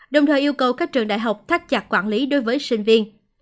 đồng thời yêu cầu các trường đại học thắt chặt quản lý đối với sinh viên